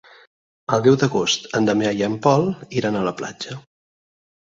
El deu d'agost en Damià i en Pol iran a la platja.